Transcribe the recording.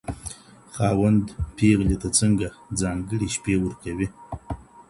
خاوند پېغلې ته څنګه ځانګړې شپې ورکوي؟